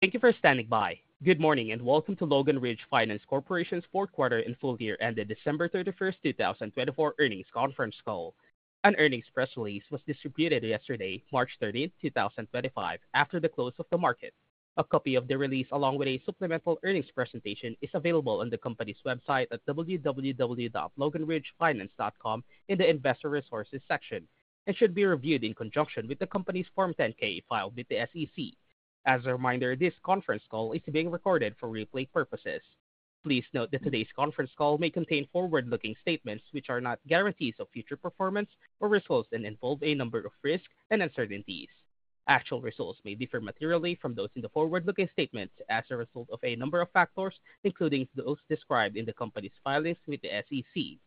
Thank you for standing by. Good morning and welcome to Logan Ridge Finance Corporation's Fourth Quarter and Full Year Ended December 31, 2024 Earnings Conference Call. An earnings press release was distributed yesterday, March 13th, 2025, after the close of the market. A copy of the release, along with a supplemental earnings presentation, is available on the company's website at www.loganridgefinance.com in the Investor Resources section and should be reviewed in conjunction with the company's Form 10-K filed with the SEC. As a reminder, this conference call is being recorded for replay purposes. Please note that today's conference call may contain forward-looking statements which are not guarantees of future performance or results and involve a number of risks and uncertainties. Actual results may differ materially from those in the forward-looking statements as a result of a number of factors, including those described in the company's filings with the SEC.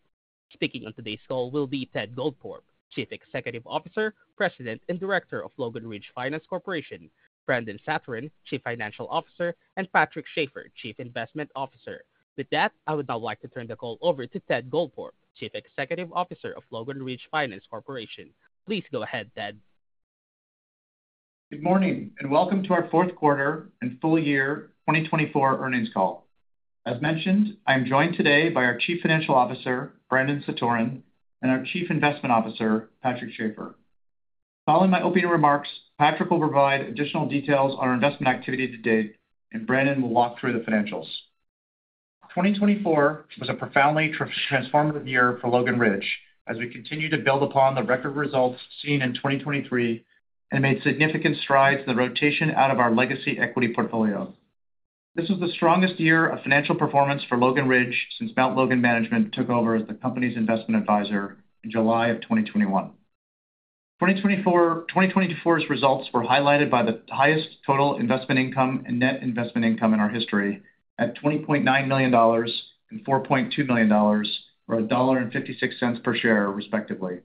Speaking on today's call will be Ted Goldthorpe, Chief Executive Officer, President and Director of Logan Ridge Finance Corporation; Brandon Satoren, Chief Financial Officer; and Patrick Schafer, Chief Investment Officer. With that, I would now like to turn the call over to Ted Goldthorpe, Chief Executive Officer of Logan Ridge Finance Corporation. Please go ahead, Ted. Good morning and welcome to our fourth quarter and full-year 2024 earnings call. As mentioned, I am joined today by our Chief Financial Officer, Brandon Satoren, and our Chief Investment Officer, Patrick Schafer. Following my opening remarks, Patrick will provide additional details on our investment activity to date, and Brandon will walk through the financials. 2024 was a profoundly transformative year for Logan Ridge as we continued to build upon the record results seen in 2023 and made significant strides in the rotation out of our legacy equity portfolio. This was the strongest year of financial performance for Logan Ridge since Mount Logan Management took over as the company's investment advisor in July of 2021. 2024's results were highlighted by the highest total investment income and net investment income in our history at $20.9 million and $4.2 million, or $1.56 per share, respectively.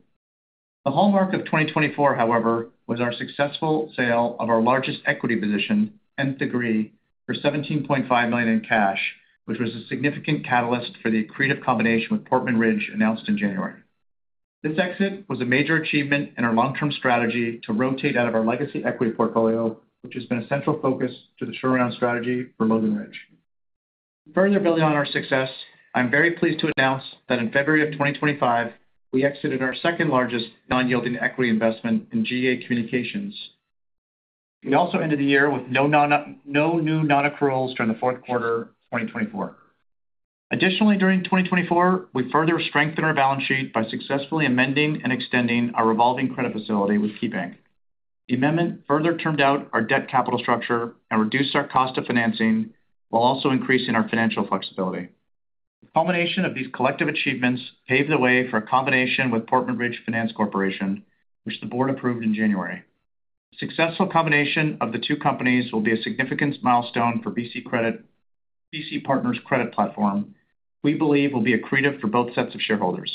The hallmark of 2024, however, was our successful sale of our largest equity position, Nth Degree, for $17.5 million in cash, which was a significant catalyst for the creative combination with Portman Ridge announced in January. This exit was a major achievement in our long-term strategy to rotate out of our legacy equity portfolio, which has been a central focus to the short-term strategy for Logan Ridge. Further building on our success, I'm very pleased to announce that in February of 2025, we exited our second-largest non-yielding equity investment in GA Communications. We also ended the year with no new non-accruals during the fourth quarter of 2024. Additionally, during 2024, we further strengthened our balance sheet by successfully amending and extending our revolving credit facility with KeyBank. The amendment further termed out our debt capital structure and reduced our cost of financing while also increasing our financial flexibility. The culmination of these collective achievements paved the way for a combination with Portman Ridge Finance Corporation, which the Board approved in January. The successful combination of the two companies will be a significant milestone for BC Partners' credit platform, which we believe will be accretive for both sets of shareholders.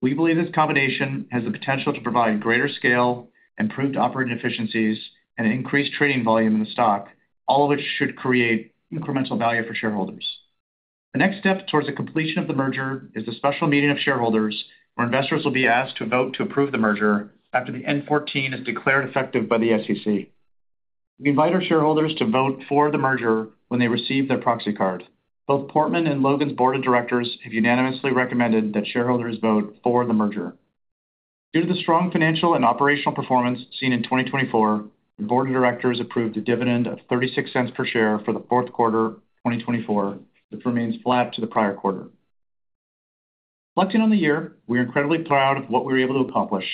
We believe this combination has the potential to provide greater scale, improved operating efficiencies, and increased trading volume in the stock, all of which should create incremental value for shareholders. The next step towards the completion of the merger is the special meeting of shareholders where investors will be asked to vote to approve the merger after the N-14 is declared effective by the SEC. We invite our shareholders to vote for the merger when they receive their proxy card. Both Portman and Logan's Board of Directors have unanimously recommended that shareholders vote for the merger. Due to the strong financial and operational performance seen in 2024, the Board of Directors approved a dividend of $0.36 per share for the fourth quarter of 2024, which remains flat to the prior quarter. Reflecting on the year, we are incredibly proud of what we were able to accomplish.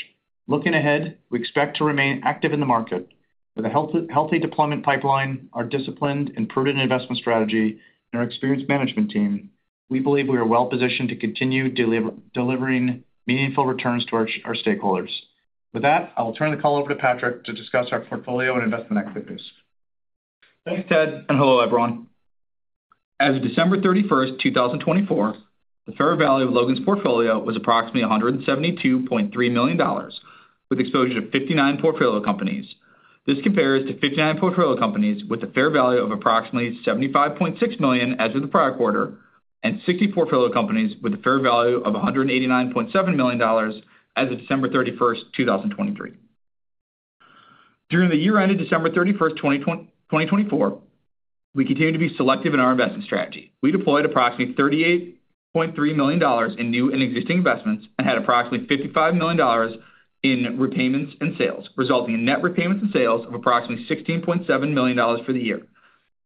Looking ahead, we expect to remain active in the market. With a healthy deployment pipeline, our disciplined and prudent investment strategy, and our experienced management team, we believe we are well-positioned to continue delivering meaningful returns to our stakeholders. With that, I will turn the call over to Patrick to discuss our portfolio and investment activities. Thanks, Ted, and hello, everyone. As of December 31st, 2024, the fair value of Logan's portfolio was approximately $172.3 million, with exposure to 59 portfolio companies. This compares to 59 portfolio companies with a fair value of approximately $75.6 million as of the prior quarter and 60 portfolio companies with a fair value of $189.7 million as of December 31st, 2023. During the year-end of December 31, 2024, we continued to be selective in our investment strategy. We deployed approximately $38.3 million in new and existing investments and had approximately $55 million in repayments and sales, resulting in net repayments and sales of approximately $16.7 million for the year.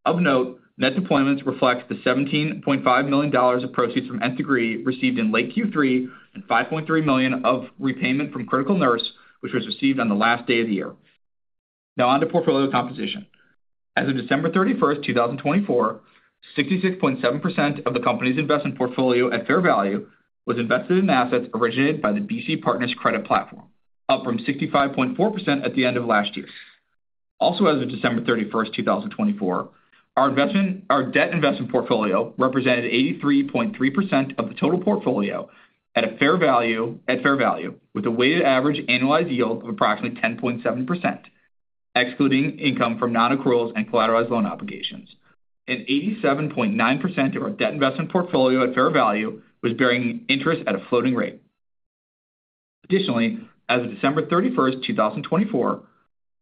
Of note, net deployments reflect the $17.5 million of proceeds from Nth Degree received in late Q3 and $5.3 million of repayment from Critical Nurse, which was received on the last day of the year. Now, on to portfolio composition. As of December 31st, 2024, 66.7% of the company's investment portfolio at fair value was invested in assets originated by the BC Partners credit platform, up from 65.4% at the end of last year. Also, as of December 31st, 2024, our debt investment portfolio represented 83.3% of the total portfolio at fair value, with a weighted average annualized yield of approximately 10.7%, excluding income from non-accruals and collateralized loan obligations. And, 87.9% of our debt investment portfolio at fair value was bearing interest at a floating rate. Additionally, as of December 31st, 2024,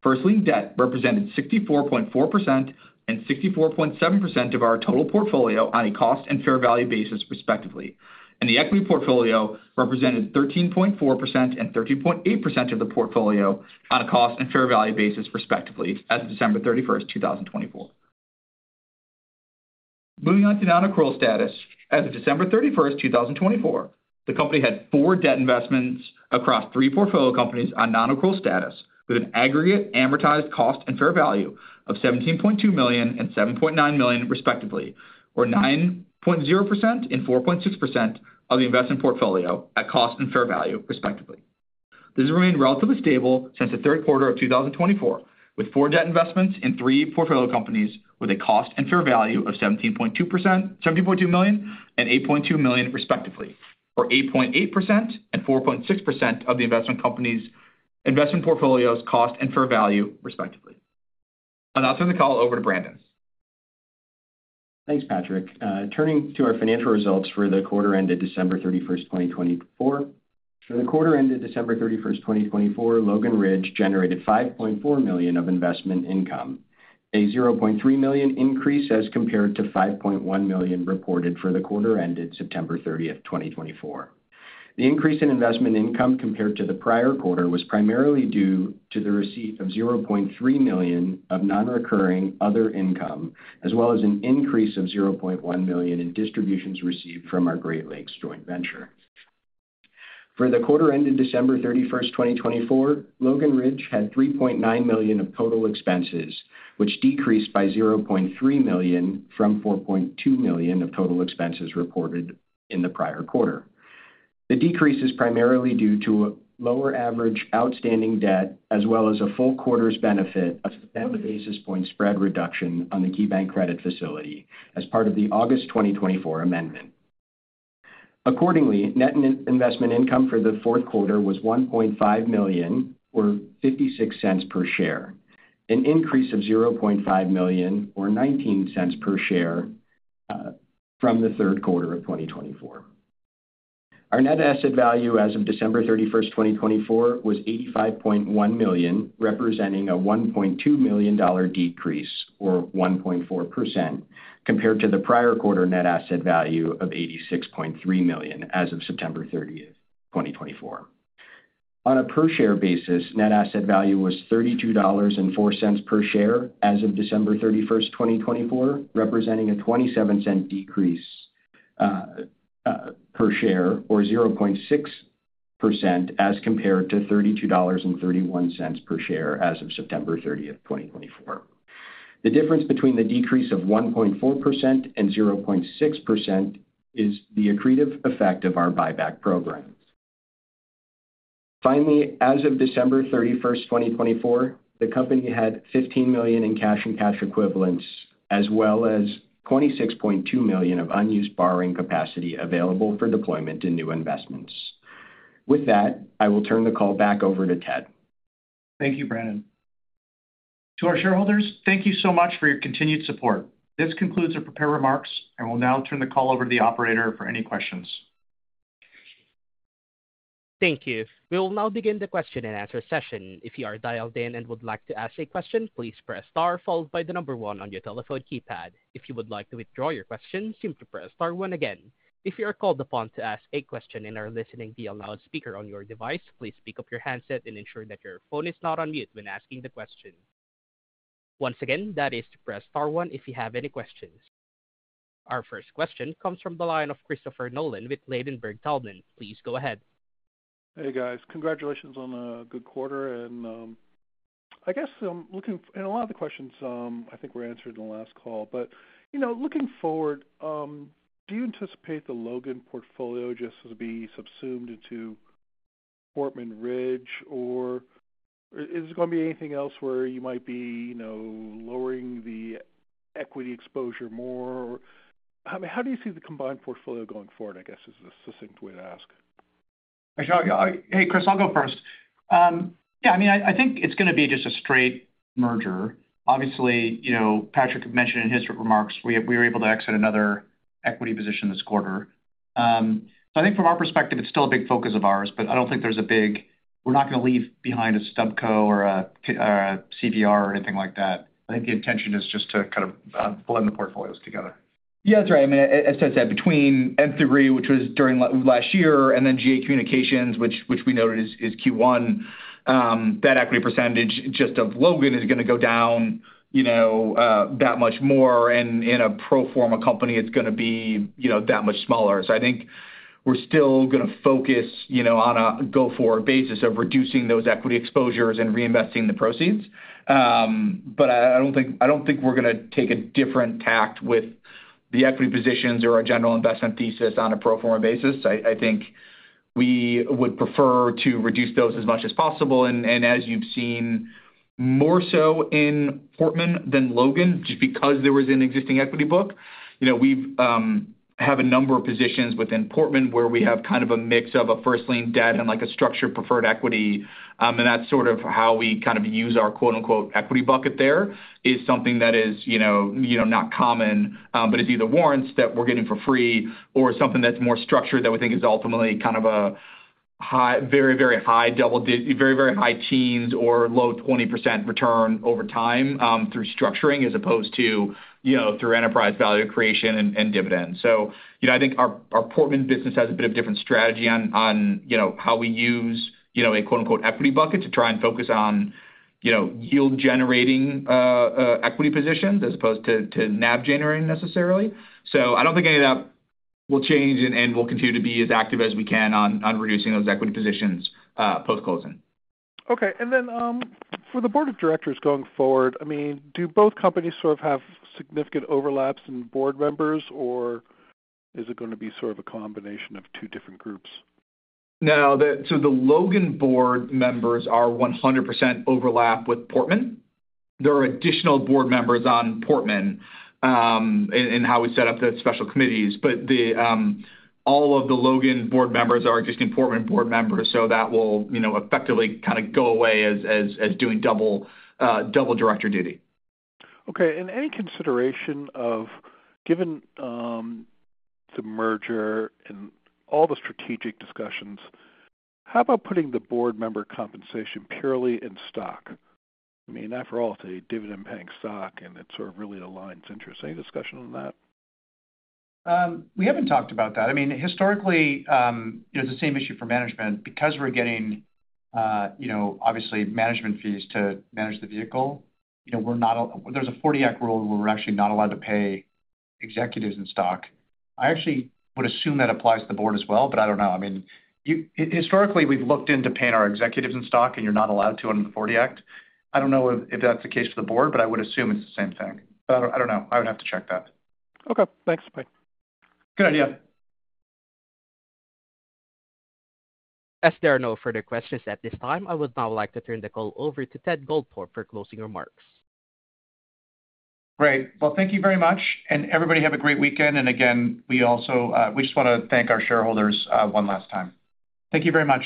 first-lien debt represented 64.4% and 64.7% of our total portfolio on a cost and fair value basis, respectively. The equity portfolio represented 13.4% and 13.8% of the portfolio on a cost and fair value basis, respectively, as of December 31st, 2024. Moving on to non-accrual status, as of December 31st, 2024, the company had four debt investments across three portfolio companies on non-accrual status, with an aggregate amortized cost and fair value of $17.2 million and $7.9 million, respectively, or 9.0% and 4.6% of the investment portfolio at cost and fair value, respectively. This has remained relatively stable since the third quarter of 2024, with four debt investments in three portfolio companies with a cost and fair value of $17.2 million and $8.2 million, respectively, or 8.8% and 4.6% of the investment portfolio's cost and fair value, respectively. I'll now turn the call over to Brandon. Thanks, Patrick. Turning to our financial results for the quarter-ended December 31st, 2024. For the quarter-ended December 31st, 2024, Logan Ridge generated $5.4 million of investment income, a $0.3 million increase as compared to $5.1 million reported for the quarter-ended September 30th, 2024. The increase in investment income compared to the prior quarter was primarily due to the receipt of $0.3 million of non-recurring other income, as well as an increase of $0.1 million in distributions received from our Great Lakes Joint Venture. For the quarter-ended December 31st, 2024, Logan Ridge had $3.9 million of total expenses, which decreased by $0.3 million from $4.2 million of total expenses reported in the prior quarter. The decrease is primarily due to lower average outstanding debt, as well as a full quarter's benefit of a 10-basis point spread reduction on the KeyBank credit facility as part of the August 2024 amendment. Accordingly, net investment income for the fourth quarter was $1.5 million, or $0.56 per share, an increase of $0.5 million, or $0.19 per share from the third quarter of 2024. Our net asset value as of December 31st, 2024, was $85.1 million, representing a $1.2 million decrease, or 1.4%, compared to the prior quarter net asset value of $86.3 million as of September 30th, 2024. On a per-share basis, net asset value was $32.04 per share as of December 31st, 2024, representing a $0.27 decrease per share, or 0.6%, as compared to $32.31 per share as of September 30th, 2024. The difference between the decrease of 1.4% and 0.6% is the accretive effect of our buyback program. Finally, as of December 31st, 2024, the company had $15 million in cash and cash equivalents, as well as $26.2 million of unused borrowing capacity available for deployment in new investments. With that, I will turn the call back over to Ted. Thank you, Brandon. To our shareholders, thank you so much for your continued support. This concludes the prepared remarks, and we will now turn the call over to the operator for any questions. Thank you. We will now begin the question-and-answer session. If you are dialed in and would like to ask a question, please press star followed by the number one on your telephone keypad. If you would like to withdraw your question, simply press star one again. If you are called upon to ask a question and are listening via loudspeaker on your device, please pick up your handset and ensure that your phone is not on mute when asking the question. Once again, that is to press star one if you have any questions. Our first question comes from the line of Christopher Nolan with Ladenburg Thalmann. Please go ahead. Hey, guys. Congratulations on a good quarter. I guess I'm looking at a lot of the questions I think were answered in the last call. Looking forward, do you anticipate the Logan portfolio just to be subsumed into Portman Ridge, or is there going to be anything else where you might be lowering the equity exposure more? I mean, how do you see the combined portfolio going forward, I guess, is a succinct way to ask? Hey, Chris, I'll go first. Yeah, I mean, I think it's going to be just a straight merger. Obviously, Patrick mentioned in his remarks we were able to exit another equity position this quarter. I think from our perspective, it's still a big focus of ours, but I don't think there's a big—we're not going to leave behind a Stubco or a CVR or anything like that. I think the intention is just to kind of blend the portfolios together. Yeah, that's right. I mean, as I said, between Nth Degree, which was during last year, and then GA Communications, which we noted is Q1, that equity percentage just of Logan is going to go down that much more. In a pro forma company, it's going to be that much smaller. I think we're still going to focus on a go-forward basis of reducing those equity exposures and reinvesting the proceeds. I don't think we're going to take a different tact with the equity positions or our general investment thesis on a pro forma basis. I think we would prefer to reduce those as much as possible. As you've seen, more so in Portman than Logan, just because there was an existing equity book. We have a number of positions within Portman where we have kind of a mix of a first-lien debt and a structured preferred equity. That is sort of how we kind of use our "equity bucket" there is something that is not common, but is either warrants that we are getting for free or something that is more structured that we think is ultimately kind of a very, very high double digit, very, very high teens or low 20% return over time through structuring as opposed to through enterprise value creation and dividends. I think our Portman business has a bit of a different strategy on how we use an "equity bucket" to try and focus on yield-generating equity positions as opposed to NAV-generating necessarily. I do not think any of that will change, and we will continue to be as active as we can on reducing those equity positions post-closing. Okay. And then for the Board of Directors going forward, I mean, do both companies sort of have significant overlaps in board members, or is it going to be sort of a combination of two different groups? No. The Logan board members are 100% overlap with Portman. There are additional board members on Portman in how we set up the special committees. All of the Logan board members are existing Portman board members, so that will effectively kind of go away as doing double director duty. Okay. Any consideration of, given the merger and all the strategic discussions, how about putting the board member compensation purely in stock? I mean, after all, it's a dividend-paying stock, and it sort of really aligns interests. Any discussion on that? We haven't talked about that. I mean, historically, it was the same issue for management. Because we're getting, obviously, management fees to manage the vehicle, there's a 40 Act rule where we're actually not allowed to pay executives in stock. I actually would assume that applies to the Board as well, but I don't know. I mean, historically, we've looked into paying our executives in stock, and you're not allowed to under the 40 Act. I don't know if that's the case for the Board, but I would assume it's the same thing. I don't know. I would have to check that. Okay. Thanks. Bye. Good yeah. As there are no further questions at this time, I would now like to turn the call over to Ted Goldthorpe for closing remarks. Great. Thank you very much. Everybody have a great weekend. Again, we just want to thank our shareholders one last time. Thank you very much.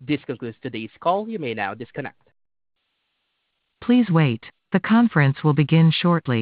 This concludes today's call. You may now disconnect. Please wait. The conference will begin shortly.